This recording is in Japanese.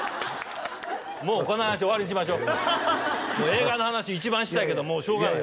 もうこの話終わりにしましょう映画の話一番したいけどもうしょうがない